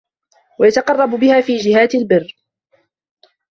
وَيَتَقَرَّبَ بِهَا فِي جِهَاتِ الْبِرِّ